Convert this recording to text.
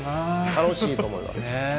楽しいと思います。